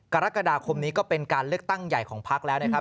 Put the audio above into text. กรกฎาคมนี้ก็เป็นการเลือกตั้งใหญ่ของพักแล้วนะครับ